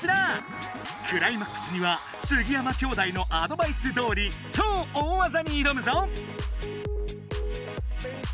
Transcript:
クライマックスには杉山兄弟のアドバイスどおり超大技にいどむぞ！